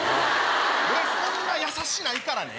俺そんな優しないからね。